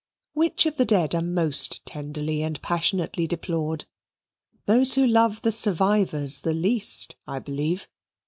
Which of the dead are most tenderly and passionately deplored? Those who love the survivors the least, I believe.